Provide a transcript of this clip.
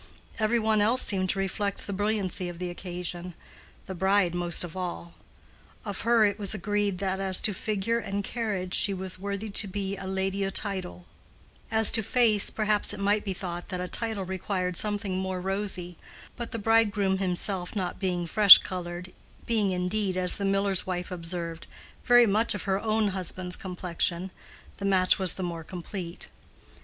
Every one else seemed to reflect the brilliancy of the occasion—the bride most of all. Of her it was agreed that as to figure and carriage she was worthy to be a "lady o' title": as to face, perhaps it might be thought that a title required something more rosy; but the bridegroom himself not being fresh colored—being indeed, as the miller's wife observed, very much of her own husband's complexion—the match was the more complete.